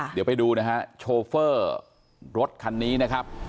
เดี๋ยวไปดูนะฮะโชเฟอร์รถคันนี้นะครับ